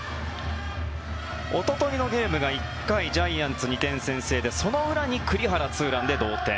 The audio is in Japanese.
おとといのゲームが１回、ジャイアンツ２点先制でその裏に栗原、ツーランで同点。